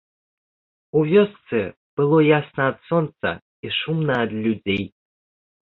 У вёсцы было ясна ад сонца і шумна ад людзей.